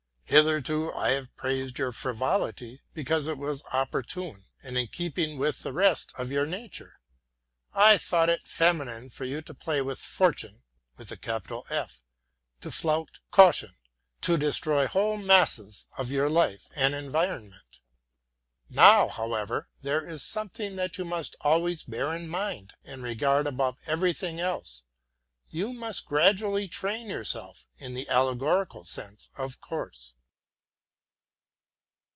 Hitherto I have praised your frivolity, because it was opportune and in keeping with the rest of your nature. I thought it feminine for you to play with Fortune, to flout caution, to destroy whole masses of your life and environment. Now, however, there is something that you must always bear in mind, and regard above everything else. You must gradually train yourself in the allegorical sense, of course.